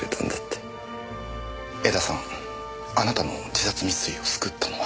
江田さんあなたの自殺未遂を救ったのは。